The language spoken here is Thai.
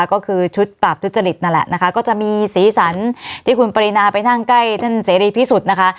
ก็คือชุดปราบทุจริตนั่นแหละนะคะก็จะมีสีสันที่คุณปรินาไปนั่งใกล้ท่านเสรีพิสุทธิ์นะคะ